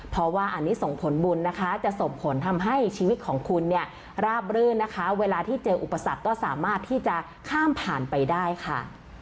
เพราะว่าอันนี้ส่งผลบุญนะคะจะส่งผลทำให้ชีวิตของคุณเนี่ยราบรื่นนะคะเวลาที่เจออุปสรรคก็สามารถที่จะข้ามผ่านไปได้ค่ะ